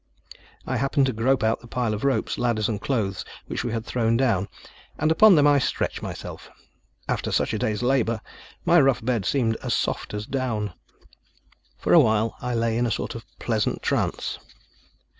I happened to grope out the pile of ropes, ladders, and clothes which we had thrown down; and upon them I stretched myself. After such a day's labor, my rough bed seemed as soft as down! For a while I lay in a sort of pleasant trance.